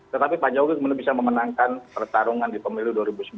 tetapi pak jokowi kemudian bisa memenangkan pertarungan di pemilu dua ribu sembilan belas